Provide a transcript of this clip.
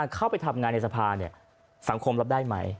เข้าไปทำงานในสภาสังคมรับได้ไหม